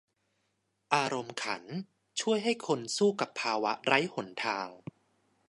อารมณ์ขันช่วยให้คนสู้กับภาวะไร้หนทาง